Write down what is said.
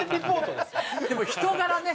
でも人柄ね。